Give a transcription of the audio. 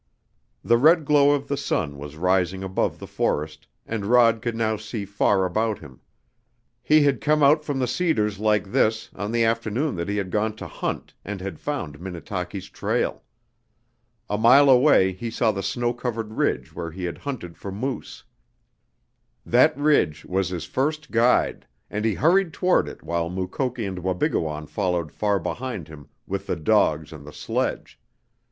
The red glow of the sun was rising above the forest and Rod could now see far about him. He had come out from the cedars, like this, on the afternoon that he had gone to hunt and had found Minnetaki's trail. A mile away he saw the snow covered ridge where he had hunted for moose. That ridge was his first guide, and he hurried toward it while Mukoki and Wabigoon followed far behind him with the dogs and the sledge.